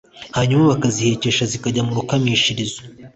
hanyuma bakazihekesha zikajya mu Rukamishirizo